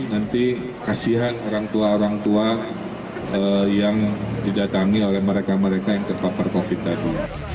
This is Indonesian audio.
nanti kasihan orang tua orang tua yang didatangi oleh mereka mereka yang terpapar covid tadi